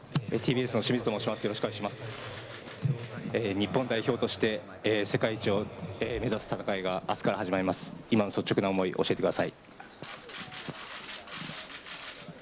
日本代表として世界一を目指す戦いが明日から始まります、今の率直な思い、教えてください。